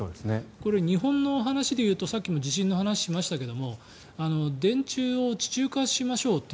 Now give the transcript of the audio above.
これ、日本の話でいうとさっきも地震の話をしましたが電柱を地中化しましょうと。